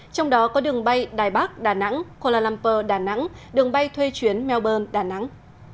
trong đó có đường bay đài bắc đà nẵng kuala lumpur đà nẵng đường bay thuê chuyến melbourne đà nẵng